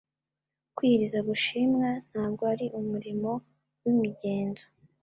Kwiyiriza gushimwa, ntabwo ari umurimo w'imigenzo.